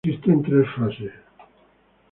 Consiste en tres fases.